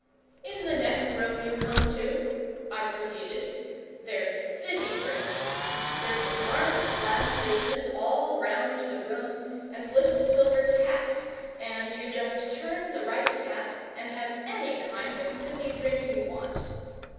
"In the next room you come to," I proceeded, "there's fizzy drinks! There's a marble slab business all round the room, and little silver taps; and you just turn the right tap, and have any kind of fizzy drink you want."